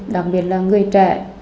đặc biệt là người trẻ